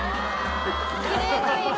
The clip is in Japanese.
きれいな色！